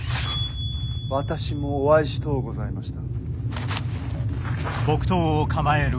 私もお会いしとうございました。